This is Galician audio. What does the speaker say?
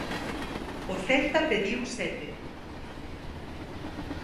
O Celta pediu sete.